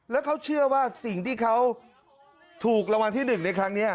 แล้วเขาเชื่อว่าสิ่งที่เขาถูกรางวัลที่๑ในครั้งนี้